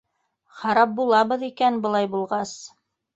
Харап булабыҙ икән, былай булғас!